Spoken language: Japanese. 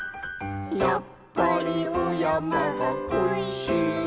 「やっぱりおやまがこいしいと」